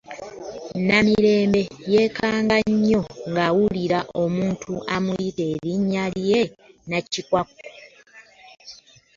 Namirembe yeekanga nnyo ng'awulira omuntu amuyita erinnya lye Nakikwakku.